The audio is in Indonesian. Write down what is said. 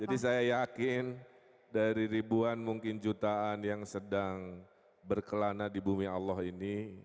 jadi saya yakin dari ribuan mungkin jutaan yang sedang berkelana di bumi allah ini